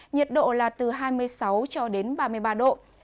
nhiệt độ là từ hai mươi sáu ba mươi ba độ